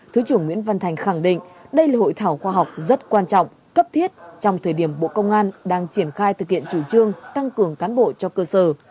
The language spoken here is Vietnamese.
thứ trưởng nguyễn văn thành khẳng định đây là hội thảo khoa học rất quan trọng cấp thiết trong thời điểm bộ công an đang triển khai thực hiện chủ trương tăng cường cán bộ cho cơ sở